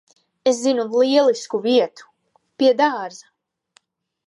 Es zinu lielisku vietu. Pie dārza.